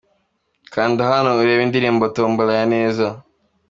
Kanda hano urebe indirimbo Tambola ya Neza:.